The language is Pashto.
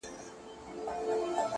o ساندي هم خوشاله زړه غواړي!